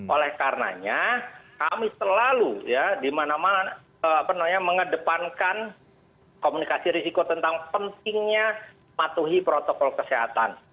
oleh karenanya kami selalu mengedepankan komunikasi risiko tentang pentingnya matuhi protokol kesehatan